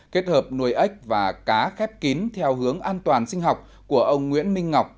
kết hợp nuôi ếch và cá khép kín theo hướng an toàn sinh học của ông nguyễn minh ngọc